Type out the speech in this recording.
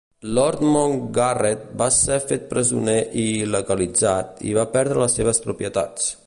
Lord Mountgarret va ser fet presoner i il·legalitzat, i va perdre les seves propietats.